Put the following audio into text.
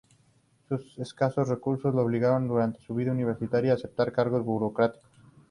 Sus escasos recursos le obligaron, durante su vida universitaria, a aceptar cargos burocráticos.